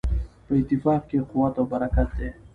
په اتفاق کې قوت او برکت دی.